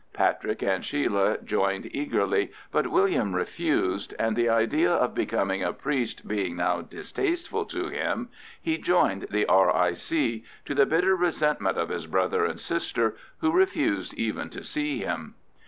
Patrick and Sheila joined eagerly, but William refused, and the idea of becoming a priest being now distasteful to him, he joined the R.I.C., to the bitter resentment of his brother and sister, who refused even to see him.